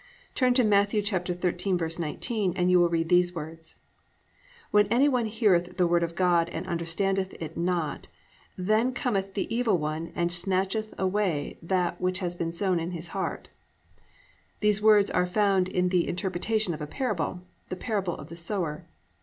Turn to Matt. 13:19, and you will read these words: +"When any one heareth the word of God, and understandeth it not, then cometh the evil one and snatcheth away that which has been sown in his heart."+ These words are found in the interpretation of a parable—the Parable of the Sower.